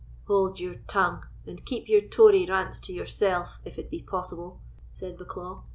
"Hold your tongue, and keep your Tory rants to yourself, if it be possible," said Bucklaw.